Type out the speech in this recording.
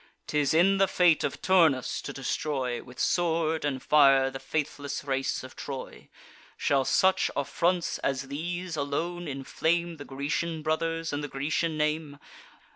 'Tis in the fate of Turnus to destroy, With sword and fire, the faithless race of Troy. Shall such affronts as these alone inflame The Grecian brothers, and the Grecian name?